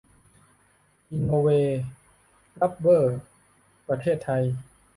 อีโนเว รับเบอร์ ประเทศไทย